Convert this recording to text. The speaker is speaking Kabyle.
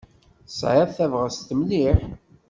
Tesɛiḍ tabɣest mliḥ.